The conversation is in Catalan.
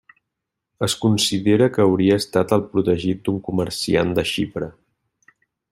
Es considera que hauria estat el protegit d'un comerciant de Xipre.